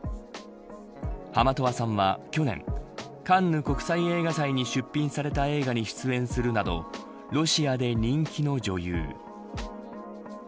ハマトワさんは去年カンヌ国際映画祭に出品された映画に出演するなどロシアで人気の女優。